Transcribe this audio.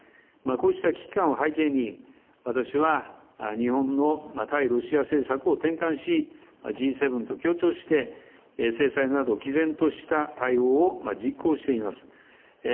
こうした危機感を背景に、私は日本の対ロシア政策を転換し、Ｇ７と協調して制裁などきぜんとした対応を実行しています。